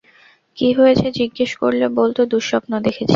কী হয়েছে জিজ্ঞেস করলে বলত, দুঃস্বপ্ন দেখেছি।